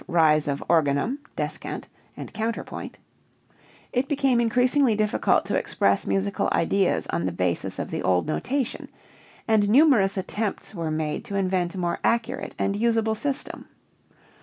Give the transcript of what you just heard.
rise of organum, descant, and counterpoint), it became increasingly difficult to express musical ideas on the basis of the old notation, and numerous attempts were made to invent a more accurate and usable system.